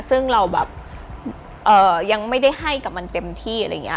ซึ่งเราแบบยังไม่ได้ให้กับมันเต็มที่อะไรอย่างนี้